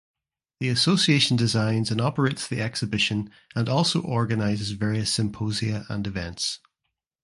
The association designs and operates the exhibition and also organizes various symposia and events.